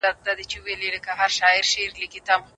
په بې رحمو قاتلانو اجاره شي